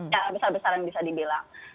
cara besar besaran bisa dibilang